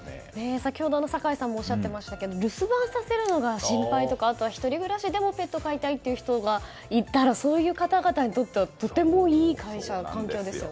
先ほどもおっしゃっていましたが留守番させるのが心配とかあとは１人暮らしでもペットを飼いたいという人がいたらそういう方々にとってはとてもいい会社、環境ですね。